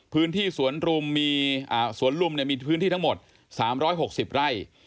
พื้นที่สวนรุมมีสวนลุมมีพื้นที่ทั้งหมด๓๖๐ไร่